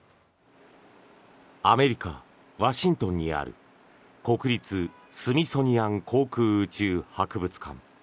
アメリカ・ワシントンにある国立スミソニアン航空宇宙博物館。